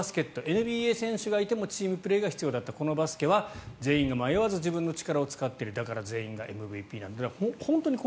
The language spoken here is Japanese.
ＮＢＡ選手がいてもチームプレーが必要だったこのバスケは全員が迷わず自分の力を使っているだから全員がＭＶＰなんだと。